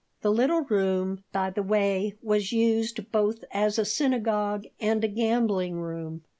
The little room, by the way, was used both as a synagogue and a gambling room.